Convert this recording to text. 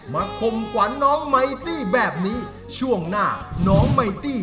มาคมขวัญน้องไมตี้แบบนี้